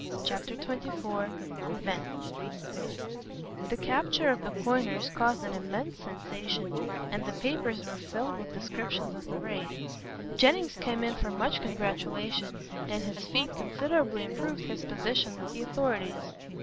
CHAPTER XXIV REVENGE The capture of the coiners caused an immense sensation, and the papers were filled with descriptions of the raid. Jennings came in for much congratulation, and his feat considerably improved his position with the authorities.